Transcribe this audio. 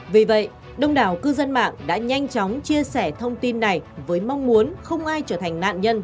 vì vậy đông đảo cư dân mạng đã nhanh chóng chia sẻ thông tin này với mong muốn không ai trở thành nạn nhân